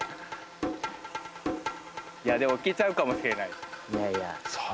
いやでもいけちゃうかもしれないいやいや